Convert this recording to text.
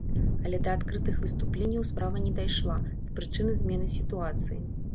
Але да адкрытых выступленняў справа не дайшла, з прычыны змены сітуацыі.